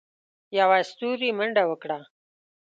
يوه ستوري منډه وکړه.